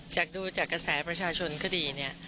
จากดูจากกระแสประชาชนก็ดีเนี่ย